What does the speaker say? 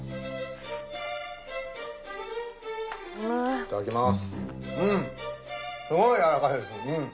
いただきます。